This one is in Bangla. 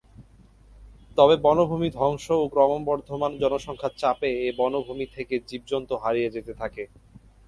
তবে বনভূমি ধ্বংস ও ক্রমবর্ধমান জনসংখ্যার চাপে এ বনভূমি থেকে জীবজন্তু হারিয়ে যেতে থাকে।